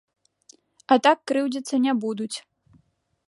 А так крыўдзіцца не будуць.